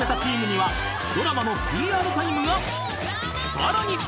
［さらに］